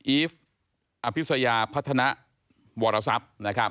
อีฟอภิษยาพัฒนะวรศัพท์